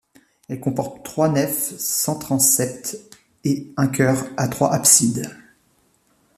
Elle comporte trois nefs sans transept et un chœur à trois absides.